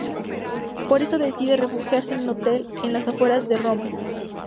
Por eso decide refugiarse en un hotel en las afueras de Roma.